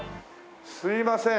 すいません。